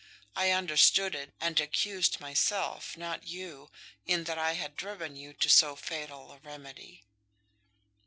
I understood it, and accused myself, not you, in that I had driven you to so fatal a remedy."